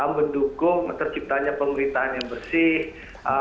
mendukung terciptanya pemerintahan yang bersih